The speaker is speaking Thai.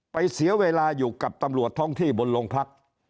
เสียเวลาอยู่กับตำรวจท้องที่บนโรงพัก